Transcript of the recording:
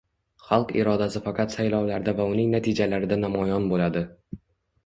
Xalq irodasi faqat saylovlarda va uning natijalarida namoyon bo'ladi